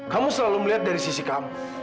kamu selalu melihat dari sisi kamu